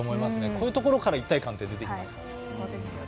こういうところから一体感は出てくるので。